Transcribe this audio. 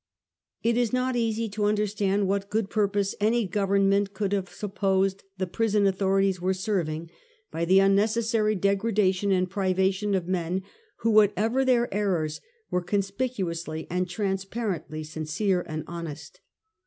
It is not easy to under stand what good purpose any Government could have supposed the prison authorities were serving by the unnecessary degradation and privation of men who, whatever their errors, were conspicuously and transparently sincere and honest.